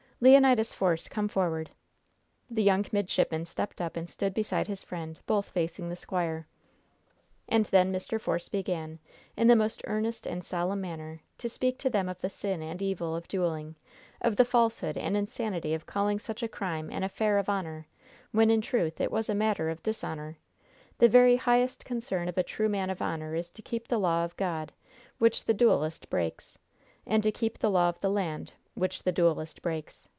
"Leonidas Force, come forward." The young midshipman stepped up and stood beside his friend, both facing the squire. And then Mr. Force began, in the most earnest and solemn manner, to speak to them of the sin and evil of dueling; of the falsehood and insanity of calling such a crime an "affair of honor," when, in truth, it was a matter of dishonor. The very highest concern of a true man of honor is to keep the law of God, which the duelist breaks; and to keep the law of the land, which the duelist breaks.